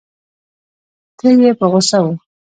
تره یې په غوسه و.